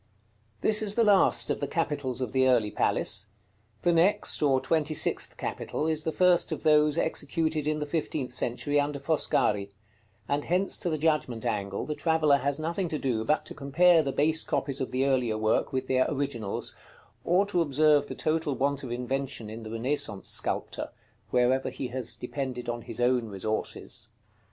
This is the last of the capitals of the early palace; the next, or twenty sixth capital, is the first of those executed in the fifteenth century under Foscari; and hence to the Judgment angle the traveller has nothing to do but to compare the base copies of the earlier work with their originals, or to observe the total want of invention in the Renaissance sculptor, wherever he has depended on his own resources.